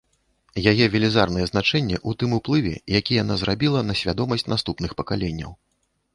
Яе велізарнае значэнне ў тым уплыве, які яна зрабіла на свядомасць наступных пакаленняў.